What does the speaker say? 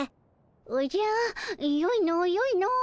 おじゃよいのよいの。